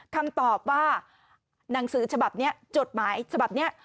คำตอบว่าหนังสือฉบับนี้จดหมายฉบับนี้